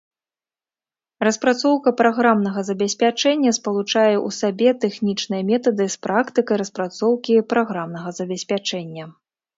Распрацоўка праграмнага забеспячэння спалучае ў сабе тэхнічныя метады з практыкай распрацоўкі праграмнага забеспячэння.